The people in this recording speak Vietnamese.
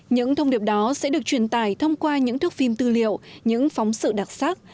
những thông điệp đó sẽ được truyền tải thông qua những thước phim tư liệu những phóng sự đặc sắc